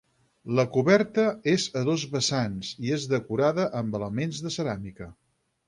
La coberta és a dos vessants i és decorada amb elements de ceràmica.